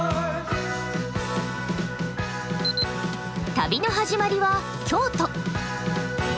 旅の始まりは京都。